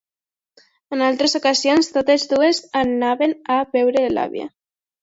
En altres ocasions, totes dues anàvem a veure l'àvia.